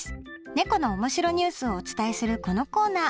ねこの面白ニュースをお伝えするこのコーナー。